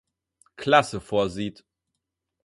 Klasse vorsieht.